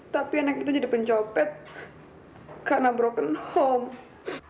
tapi anak itu jadi pencopet karena broken home